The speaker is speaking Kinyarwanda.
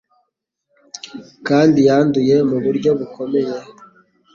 kandi yanduye mu buryo bukomeye